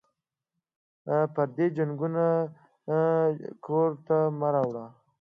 پردي جنګونه کور ته مه راوړه